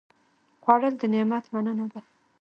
خوړل د نعمت مننه ده